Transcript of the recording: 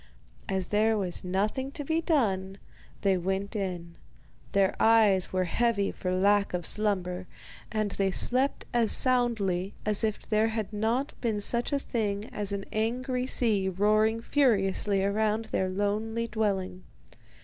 As there was nothing to be done, they went in. Their eyes were heavy for lack of slumber, and they slept as soundly as if there had not been such a thing as an angry sea roaring furiously around their lonely dwelling.